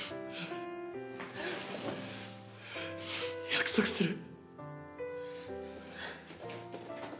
約束する。